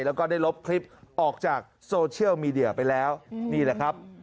แล้วก็ได้ลบคลิปออกจากโซเชียลมีเดียไปแล้วนี่แหละครับ